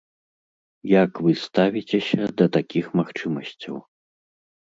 Як вы ставіцеся да такіх магчымасцяў?